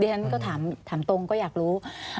ฉันก็ถามตรงก็อยากรู้